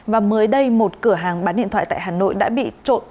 và mới đây một cửa hàng bán điện thoại tại hà nội đã bị trộm